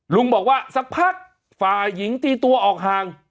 ลุงบอกว่าสักพักฝ่ายหญิงตีตัวออกห่าง